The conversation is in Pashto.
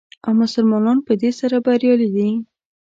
او مسلمانان په دې سره بریالي دي.